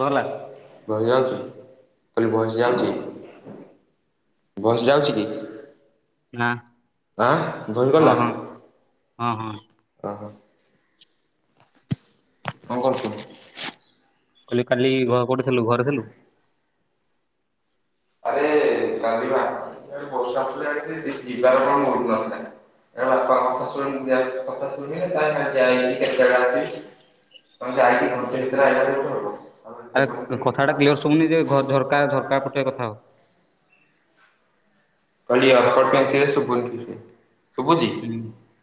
ଗଲା। ବସ୍ ଯାଉଚି ମୁଁ କହିଲି ବସ୍ ଯାଉଚି ବସ୍ ଯାଉଚି କି? ନାଁ। ଆ ଦହି ଗଲା ହଁ ହଁ ଓହୋ। କଣ କରୁଚୁ? ମୁଁ କହିଲି କାଲି କୋଉଠି ଥେଲୁ ଘରେ ଥେଲୁ? ଆରେ କାଲିବା ବର୍ଷା ହେଉଥିଲା ଯିବାର କଣ ଆରେ କଥାଟା କ୍ଲିୟର ଶୁଭୁନି ଯେ ଘ ଝରକା ଝରକା ପଟେ କଥା ହ [unintelligible] [unintelligible] [unintelligible] [inaudible] କାଲି ଆପାର୍ଟମେଣ୍ଟ ରେ ଶୁଭୁନି ଶୁଭୁଚି? ହୁଁ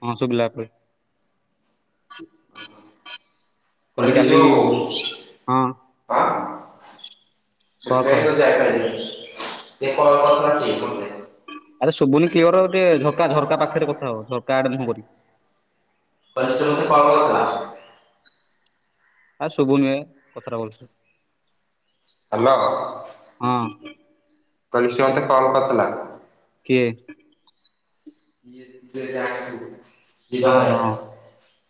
ହଁ ଶୁଭିଲା ଏବେ। କହିଲି କାଲି କହ କହ। [inaudible] [inaudible] ଆରେ ସୁୁଭୁନି କ୍ଲିଅର ଟିକେ ଝରକା-ଝରକା ପାଖେରେ କଥା ହ ଝରକା ଆଡେ ମୁଁହ କରି। [inaudible] ଆରେ ଶୁଭୁନି ବା କଥାଟା ଭଲସେ। ହାଲୋ। ହଁ। କହିଲି ସିଏ ମୋତେ କଲ୍ କରିଥିଲା। କିଏ? କିଏ ତୁ ଜାଣିଚୁ। ହଁ ହଁ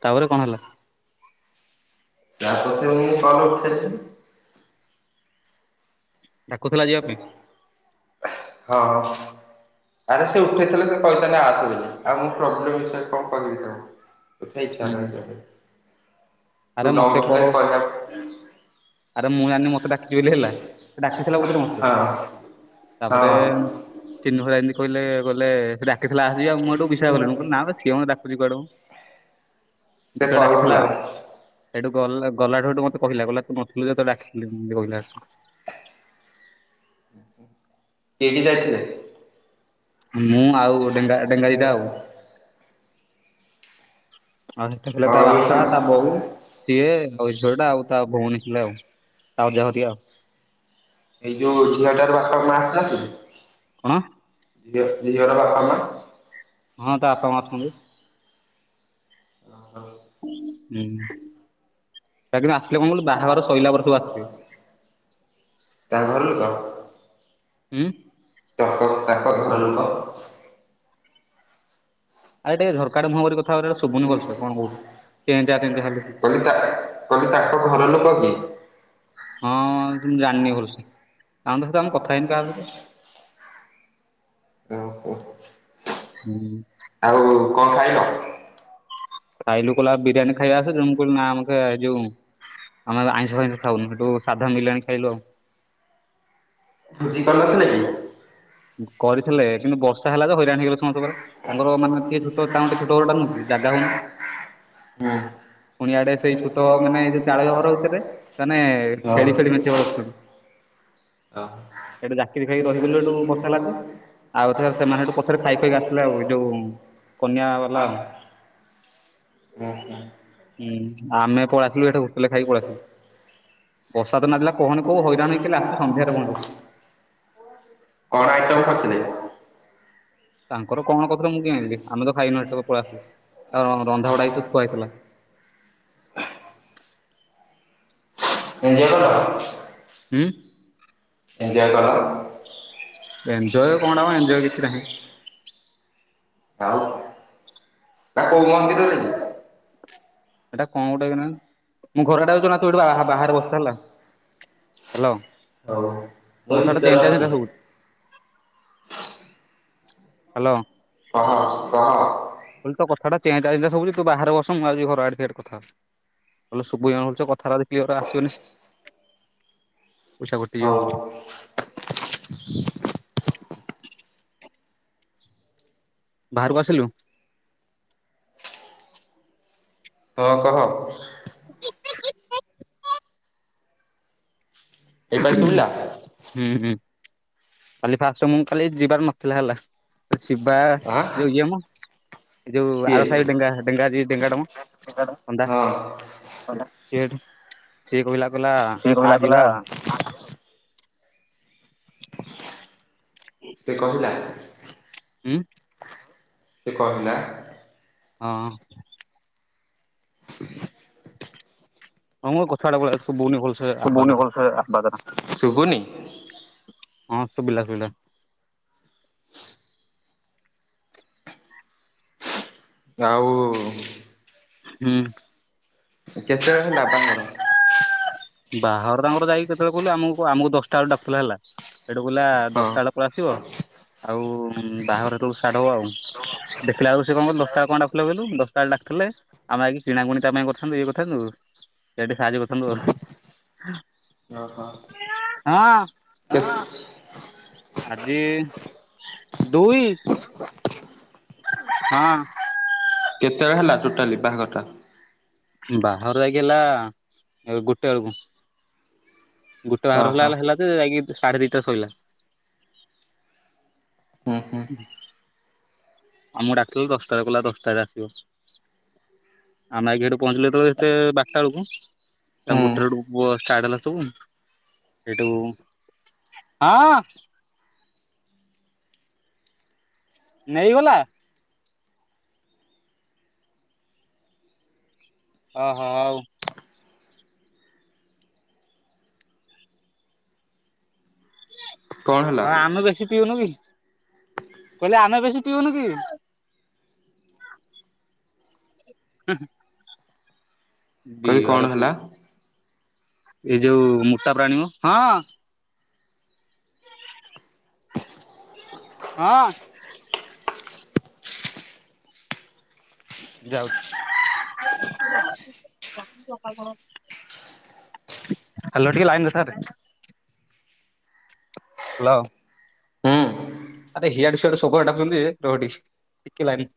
ତାପରେ କଣ ହେଲା? ତାପରେ ସିଏ ମୋ କଲ୍ ଉଠେଇଲେନି। ଡାକୁଥିଲା ଯିବା ପାଇଁ ହଁ। ଆରେ ସେ ଉଠେଇଥିଲେ ସେ କହିଥାନ୍ତେ ଆସେ ବୋଲି ଆଉ ମୋ ପ୍ରୋବ୍ଲେମ୍ ବିଷୟରେ କଣ କହିବି ତାଙ୍କୁ ହୁଁ ଆରେ ମତେ କଲ [inaudible] ଆରେ ମୁଁ ସେ ଜାଣିନି ମତେ କହିଥିଲା ଡାକିଚି କିଏ ବୋଲି କିଏ ହେଲା ସେ ଡାକିଥିଲା [inaudible] ତାପରେ ଚିନୁ ଭାଇ ଯେମିତି କହିଲେ କହିଲେ ସେ ଡାକିଥିଲା ଆସେ ଯିବା ମୁଁ ସେଠୁ ବିଶ୍ୱାସ କଲିନି ମୁଁ କହିଲି ନା ମ ସିଏ ମତେ ଡାକୁଚି କୁଆଡୁ। [inaudible] ଡାକିଥିଲା ଆଉ ସେଇଠୁ ଗଲା ଗଲାଠୁ ସେଠୁ ମତେ କହିଲା କହିଲା ତୁ ନଥିଲୁ ଯେ ତତେ ଡାକିଥିଲି ଏମିତି କହିଲା କିଏ କିଏ ଯାଇଥିଲେ? ମୁଁ ଆଉ ଡେଙ୍ଗା ଡେଙ୍ଗା ଦିଟା ଆଉ ଥିଲେ ତା ବାପା ତା ବୋଉ ସିଏ ଆଉ [inaudible] ଆଉ ତା ଭଉଣୀ ଥିଲେ ଆଉ [inaudible] ଏଇ ଯୋଉ ଝିଅଟାର ବାପା ମାଁ ତ ଥିଲେ। କଣ ଝିଅ ଝିଅର ବାପ ମାଁ? ହଁ ତା ବାପା ମାଁ ଅଛନ୍ତି। [inaudible] ହୁଁ ତାଙ୍କର ଆସିଲେ କଣ କହିଲୁ ବାହାଘର ସଇଲା ପରେ ସବୁ ଆସିବେ। ତାଙ୍କ ଘର ଲୋକ? ଉଁ। ତ କଣ ତାଙ୍କ ଘର ଲୋକ। ଆରେ ଟିକେ ଝରକାଆଡେ ମୁହଁ କରି କଥା [unintelligible] ହଉରା ଶୁଭୁନି ଭଲସେ କଣ କହୁଛୁ ଚେଁ ଚାଁ ଚେଁ ଚାଁ ଖାଲି କହିଲି ତାଙ୍କ ଘର ଲୋକ କି? ହଁଁ ମୁଁ ଜାଣିନି ଭଲ ସେ ତାଙ୍କ ସହିତ ଆମେ କଥା ହେଇନି କାହା ସହିତ। [inaudible] ହୁଁ। ଆଉ କଣ ଖାଇଲ? ଖାଇଲୁ କହିଲା ବିରିୟାନୀ ଖାଇବା ଆସେ ଯେ ମୁଁ କହିଲି ନା ମତେ ଏ ଯୋଉ ଆମେ ଏବେ ଆଇଁଷ ଫାଇଁଷ ଖାଉନୁ ସେଠୁ ସାଧା ମିଲ୍ ଆଣି ଖାଇଲୁ ଆଉ ଭୋଜି କରି ନଥିଲା କି? କରିଥିଲେ କିନ୍ତୁ ବର୍ଷା ହେଲା ତ ହଇରାଣ ହେଇଗଲେ ସମସ୍ତେ ଘରେ। ତାଙ୍କର ମାନେ ଟିକେ ଛୁଟ ତାଙ୍କ ଛୁଟ ଘରଟା ନୁହଁ କି ଜାଗ ହଉନି। ପୁଣି ଆଡେ ସେଇ ଛୋଟ ହୁଁ ମାନେ ଯୋଉ ଚାଳ ଘର ଭିତରେ ମାନେ ଛେଳି ଫେଳି ମେଞ୍ଚେ [unintelligible] ରଖିଛନ୍ତି ସେଠୁ ଜାକିରି ଖାଇକି ଓ ରହିଗଲୁ ସେଠୁ ବର୍ଷା ହେଲା ଯେ ଆଉ ଏଥର ସେମାନେ ସେଠୁ ପଛରେ [inaudible] ଖାଇ ଖାଇକି ଆସିଲେ ଆଉ ଯୋଉ କନ୍ୟା ବାଲା ଆଉ [unintelligible] [unintelligible] [unintelligible] ହୁଁ ଆମେ ପଳେଇଆସିଲୁ ସେଠୁ ହୁଟେଲ ରେ ଖାଇକି ପଳେଇଆସିଲୁ। ବର୍ଷା ତ ନାଦିଲା କହନି କୋଉ ହଇରାଣ ହେଇକି ଆସିଚୁ ସନ୍ଧ୍ୟାରେ ପହଞ୍ଚିଲୁ। କଣ ଆଉ ଆଇଟମ କରିଥିଲେ? ତାଙ୍କର କଣ କରିଥିଲେ ମୁଁ କି ଆଣିଲି ଆମେ ତ ଖାଇନୁ ପଳେଇ ଆସିଲୁ ତାର ରନ୍ଧା ବଢା ହେଇକି ସବୁ ଥୁଆ ହେଇଥିଲା। ଏଞ୍ଜୟେ କଲ? ଉଁ? ଏଞ୍ଜୟେ କଲ? ଏଞ୍ଜୟେ କଣ ଟା ମ ଏଜୟେ କିଛି ନାହିଁ। ଆଉ? ନା କୋଉ ମନ୍ଦିରରେ କି? ଏଟା କଣ ଗୋଟେ କେଜାଣି ମୁଁ ଘର ଆଡ଼େ ଆଉଛି ଅନା ତୁ ଏଇଠୁ ବାହା -ବାହାରେ ବସିଥା ହେଲା। ହାଲୋ। ହଉ ତୋ ମୁଁ କଥା ଟା ଭିତରେ ଚେଁ ଚାଁ ଚେଁ ଅଛି। ଚାଁ ଶୁଭୁଚି। ହଁ କହ। କହିଲି ତୋ କଥା ଟା ଚେଁ ଚାଁ ଚେଁ ଚାଁ ଶୁଭୁଚି ତୁ ବାହାରେ ବସ ମୁଁ ଯାଉଚି ଘର ଆଡ଼େ ସିଆଡ଼େ କଥା ହବା। ଭଲ ସୁବିଧା ମିଳୁଛି କଥାରା ଯଦି ଆସିବନି ପଇସା କଟିଯିବ। ହଉ ବାହାରକୁ ଆସିଲୁ? ହଁ କହ। [unintelligible] ଏଇପା ଶୁଭିଲା ହୁଁ ହୁଁ। କାଲି ଫାଷ୍ଟ ମୁଁ ଖାଲି ଯିବାର ନଥିଲା ହେଲା ଶିବା ଆଁ ଯୋଉ ଇଏ ମ। ଏଇ ଯୋଉ କିଏ ଆର ସାହିରୁ ଡେଙ୍ଗା ଡେଙ୍ଗା ଯିଏ ଡେଙ୍ଗା ଟା ମ। ଅଣ୍ଡା ହଁ [unintelligible] ଠୁ। ସିଏ କହିଲା କହିଲା ଆ ଯିବା ଆଉ। ହ ସେ କହିଲା ଉଁ? ସେ କହିଲା? ହଁ। ଆ ମ ଗଛ ଆଡ଼େ ପଳେଇଆ ଶୁଭୁନି ଭଲସେ ଆ। ଶୁଭୁନି? ହଁ ଶୁବିଲା ଶୁବିଲା। ଆଉ ହୁଁ। କେତେବେଳେ ହେଲା ବାହାଘର? ବାହାଘର ତାଙ୍କର ଯାଇକି କେତେବେଳେ କିହିଲୁ ଆମକୁ ଆମକୁ ଦଶଟା ବେଳୁ ଡାକୁଥିଲା ହେଲା ହେଟୁ କହିଲା ହଁ ଦଶଟା ବେଳ କୁ ଆସିବ ଆଉ ବାହାଘର ହେତେବେଳକୁ ସାର୍ଟ ହବ ଆଉ। ଦେଖିଲା ବେଳୁ ସେ କଁ କହିଲୁ ଦଶଟା ବେଳୁ କଣ ପାଇଁ ଡାକୁଥିଲେ କହିଲୁ ଦଶଟା ବେଳୁ ଡାକୁ ଥିଲେ ଆମେ ଆଇକି କିଣାକୁଣି ତା ପାଇଁ କରିଥାନ୍ତୁ ଇଏ କରିଥାନ୍ତୁ ସେଇରା ଟିକେ ସାହାଯ୍ୟ କରିଥାନ୍ତୁ ଆଉ। ଅହ ହଁ [unintelligible] ଆଜି ଦୁଇ? ହଁ। କେତେବେଳେ ହେଲା ଟୋଟାଲି ବାହାଘରଟା? ବାହାଘର ଯାଇକି ହେଲା ଏ ଗୋଟେ ବେଳକୁ ଗୋଟେ ବାହାଘର ଓହୋ ହେଲା ହେଲେ ହେଲା ଯେ ଯାଇକି ସାଢ଼େ ଦିଇଟା ରେ ସାଇଲା। ହୁଁ ହୁଁ ଆମକୁ ଡାକିଲୁ ଦଶଟାରେ କହିଲା ଦଶଟାରେ ଆସିବ। ଆମେ ଆଇକି ହେଠୁ ପହଞ୍ଚିଲୁ ହେତେବେଳେ ହେତେ ବାରଟା ବେଳକୁ। ହୁଁ ତାଙ୍କୁ ଉଠେଇଲୁ ହେଟୁ ବସ ଷ୍ଟାର୍ଟ ହେଲା ସବୁ ସେଇଠୁ ହଁ। ନେଇଗଲା? ହଁ ହଁ ଆଉ। କଣ ହେଲା ହଁ ଆମେ ବେଶୀ ପିଉନୁ କି, କହିଲେ ଆମେ ବେଶୀ ପିଉନୁ କି? ହୁଁ। କହିଲି କଣ ବିୟର ପିଉ। ହେଲା ଏଇ ଯୋଉ ମୋଟା ପ୍ରାଣୀମ ହଁ। ହଁ। ଯାଉଛି। ହାଲୋ ଟିକେ ଲାଇନରେ ଥାଆରେ। ହାଲୋ। ହୁଁ ଆରେ ହିଆଡ଼େ ସିଆଡ଼ୁ ସବୁ ଡାକୁଛନ୍ତି ଯେ ରହ ଟିକେ, ଟିକେ ଲାଇନ୍ ରେ।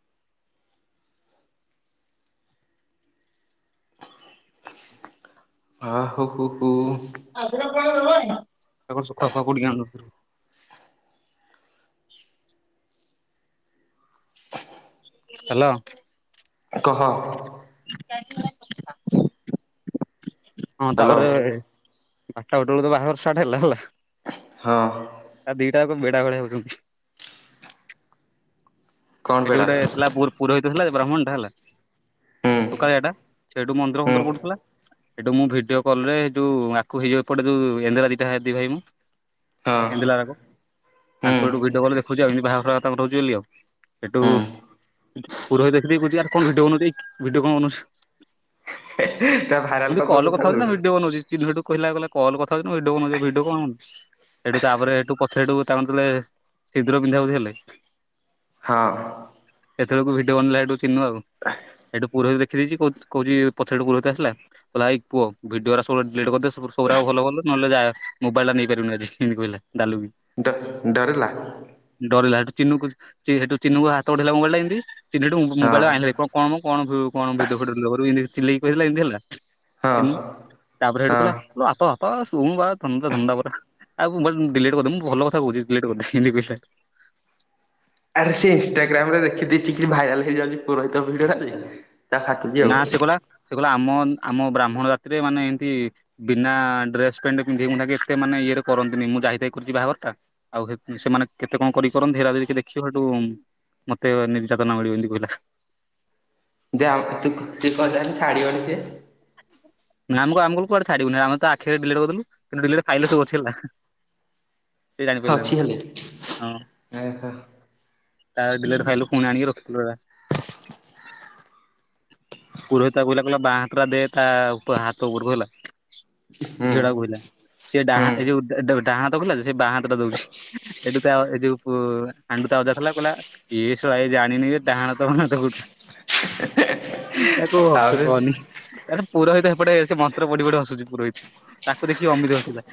ହ ହୁ ହୁ ହୁ ହୁ। ଆଉ ଶୁଖୁଆ ଫୁକୁଆ ପୋଡ଼ିକି ଆଣୂନୁ ତୁ। ହାଲୋ। କହ। [inaudible] ହଁ ତାପରେ, ବାଟା ଗୋଟେ ବେଳୁକୁ ତ ବାହାଘର ଷ୍ଟାର୍ଟ ହେଲା। ହେଲା। ହଁ। ଆ ଦିଟା ଯାକ ଭେଡ଼ା ଭଳିଆ ହଉଛନ୍ତି। କଣ ଏଠି ପେଡା ଗୋଟେ ହୁଁ ଥିଲା ପୁର ପୁରହିତ ହେଲା ଯେ ବ୍ରାହ୍ମଣଟା ହେଲା। ତୁ କାଳିଆଟା, ସେଇଠୁ ମନ୍ଦିର ହୁଁ ଫନ୍ଦିର ପଡ଼ୁଥିଲା ସେଇଠୁ ମୁଁ ଭିଡିଓ କଲ୍ ରେ, ଯୋଉ ଆକୁ ହେଇଯିବ ଏପଟେ ଯୋଉ ଏନ୍ଦରା ଦିଟା ହେ ଦି ଭାଇ ମୁଁ। ହଁ କେଁଦେଲା ତାକୁ? ହୁଁ ତାଙ୍କଠୁ ଭିଡିଓ କଲ୍ ଦେଖୁଛି ଆଉ, ଏମିତି ବାହାର ତାଙ୍କର ରହୁଛି ବୋଲି ଆଉ। ହେଠୁ ହୁଁ ପୁରହିତ ଦେଖିଦେଇ କହୁଚି ଆରେ କଣ ଭିଡିଓ ବନଉଚୁ ଏଇ ଭିଡିଓ କଣ ବନଉଚୁ। ହେ ହେ, ତା ଭା ମୁଁ କହିଲି କଲ୍ ରେ କଥା ହଉଚି ନା ଭିଡିଓ ବନଉଚି, ଚିନୁ ସେଠୁ କହିଲା, କଇଲା କଲ୍ ରେ କଥା ହଉଚି ନାଁ ଭିଡିଓ ବନଉଛି। ଭିଡିଓ କଣ ବ ସେଠୁ ତାପରେ ସେଠୁ ପଛରେଠୁ ତାଙ୍କୁ ଯେତେଳେ, ସିନ୍ଦୂର ପିନ୍ଧା ପିନ୍ଧି ହେଲେ। ହଁ। ସେତେବେଳକୁ ଭିଡିଓ ବନେଇଲା ସେଠୁ ଚିନୁ ଆଉ। ସେଠୁ ପୁରୋହିତ ଦେଖି ଦେଇଛି, କହୁଚି କହୁଚି, ପଛରେ ହେଠୁ ପୁରୋହିତ ଆସିଲା। କହିଲା ଏଇ ପୁଅ ଭିଡିଓଟା ସବୁ ଡିଲେଟ୍ କରିଦେ ସବୁଗୁରା ଭଲ ଭଲ, ନହେଲେ ଯା ମୋବାଲ ଟା ନେଇ ପାରିବୁନି ଆଜି, ଏମତି କହିଲା ଦାଲୁକି। ଡ ଡରିଲା? ଡରିଲା ହେଠୁ ଚିନୁକୁ ଚି ହେଠୁ ଚିନୁକୁ ହାତ ବଢ଼େଇଲା ମୋବାଇଲ ଟା ଏନ୍ତି। ଚିନୁ ହେଠୁ ମୋ ହଁ ମୋବାଇଲଟାକୁ ଆଣିଲାହାରି, କ କଣ ମ କଣ ଭି କଣ ଭିଡିଓ ଫିଡିଓ ଡିଲେଟ୍ କରିବୁ ଏନ୍ତି ଚିଲେଇକି କହିଦେଲା। ଏମିତି ହେଲା। ହଁ ଚିନୁ ତା ପରେ ହେଠୁ ହଁ କହିଲା, ବାପା ବାପା ସୋମ୍ବାର ଧନ୍ଦା ଧନ୍ଦା ପରା। ଆଉ ବଟ ଡିଲେଟ କରିଦମ ମୁଁ ଭଲ କଥା ବୁଝିଥିଲି ହେଠୁ [unintelligible] ଆରେ ସେ ଇଷ୍ଟାଗ୍ରାମ ରେ ଦେଖିଦେଇ ଚିକି ଭାଇରାଲ ହେଇଯାଉଚି ପୁରହିତ ଭିଡିଓ ଟାବି। ନା ସେ କୋଲା ସେ କହିଲା ଆମ ଆମ ବ୍ରାହ୍ମଣ ଜାତିରେ ମାନେ ଏନ୍ତି ବିନା ଡ୍ରେସ ପେଣ୍ଟ ପିନ୍ଧି ପୁନ୍ଧାକି ଏତେ ମାନେ ଇଏ ରେ କରନ୍ତିନି, ମୁଁ ଯାଇତାଇକି କରଚି ବାହାଘରଟା। ଆଉ କେତେ ସେମାନେ କେତେ କଣ କରି କରନ୍ତି, ହେରା ଯଦି କିଏ ଦେଖିବ ହେଠୁ ମତେ ନିର୍ଯାତନା ମିଳିବ ଏମିତି କହିଲା। ଯା ଅତୁକ୍ତି କହିଲେ ହେଲେ ଛାଡିବନି ସିଏ। ନାଁ ଆମକୁ ଆମକୁ କୁଆଡେ ଛାଡ଼ିବୁନି, ଆମେ ତ ଆଖି ରେ ଡିଲେଟ କରିଦେଲୁ, ଡିଲେଟ ଫାଇଲିରେ ସବୁଅଛି ହେଲା। ସେ ଜାଣିପାରିଲାନି ଅଛି ହେଲେ ହଁ। ହୁଁ ତା ପରେ ଡିଲେଟ ଫାଇଲରୁ ଫୁଣି ଆଣିକି ରଖଥିଲୁ [unintelligible] ପୁର ତା କହିଲା ତା ବା ହାତ ଦେ ତା ହାତ ଝଡା କ ହେିଲା ସେ ଡାହା ହୁଁ ଯଉ [unintelligible] ଡା ହାତ କହିଲା ସେ ବାଁ ହାତ ଟା ଦଉଛି ଏ ଯଉଟା କହିଲା। ଏଇଏସାଇ ଜାଣିନି ବାଁ ହାତ ମ ତ ଗୋଟେ [unintelligible] [unintelligible] ତା କହ ସେ ଆବେ କହନି ତାଲେ ପୁରା ହେଇଥା [unintelligible] ଏପଟେ ସେ ମନ୍ତ୍ର ପଢ଼ି ପଢ଼ି ହସୁଛି ପୁରହିତ ତାଙ୍କୁ ଦେଖିକି ଅମିିତ ହସିଲା।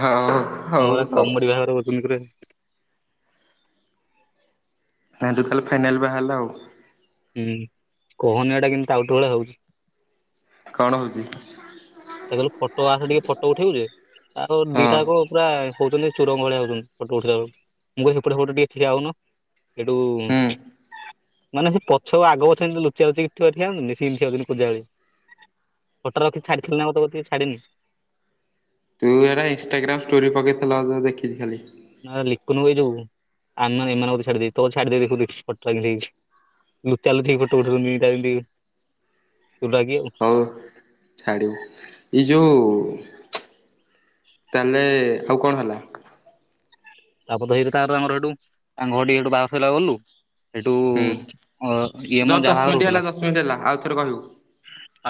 ହଉ ହଉ ହଁ ପା ହଉ କମେଡି ବାହାଘର [unintelligible] [unintelligible] ଫାଇନାଲ୍ ବାହା ହେଲା ଆଉ। ହୁଁ କୁହନହିଁ ଏଇଟା କିମିତି ପାଗଳ ହେଉଛି। କଣ ହଉଛି? ସେ କହିଲୁ ଫଟୋ ଆସ ଟିକେ ଫଟୋ ଉଠେଇେ ଆ ହଁ ଦିଟା କ ପୁରା ହଉଛନ୍ତି [unintelligible] ଚୋରଙ୍କ ଭଳିଆ ହଉଛନ୍ତି ଫଟୋ ଉଠେଇବାକୁ ମୁଁ କହିଲି ସେପଟେ ପଟେ ଟିକେ ଠିଆ ହଉନ। ହୁଁ ମାନେ ସେ ପଛ ଆଗପଛ ଏମିତି ଲୁଚା ଲୁଚି ଠିଆ [unintelligible] ଫୋଟ ରଖି ଛାଡ଼ିଥିଲି ନା ଆଉ ଟିକେ ଛାଡିନି। ତୁ ଏଇଟା ଇନଷ୍ଟାଗ୍ରାମ୍ ଷ୍ଟୋରି ପକେଇ ତୁ ଆଗ ଦେଖିବୁ ଖାଲି। ଲନ ଯୋଉ ଆମ ଏମାନଙ୍କୁ ଛାଡିଦ ଦେଇ ତ ଛାଦେ ଦେଖଟକି [unintelligible] ଲୁଚା ଲୁଚି ହେଇକି ଫଟୋ ଉଠଉଛନ୍ତି ଏମିତି [unintelligible] ଆଉ। ଛାଡ଼ ଏଇ ଯଉ ତାହେଲେ ଆଉ କଣ ହେଲା? ତାପରେ ଧଇରେ ତା ଆମର ସେଇଠୁ ତା ଘର ଟିକେଇଠୁ ବାଘ ସରବାକୁ ଗଲୁ [unintelligible] ଏଇସବୁ ହୁଁ ଅ ଇଏ ମ ଦଶ ଦଶ ଯାହା ମିନିଟ୍ ଘରେ ହେଲା ର। ଦଶ ମିନିଟ୍ ହେଲା ଆଉଥରେ କହିବୁ।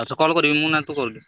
ଆଉଥରେ କଲ୍ କରିବି ମୁଁ ନାଁ ତୁ କଇଲୁ?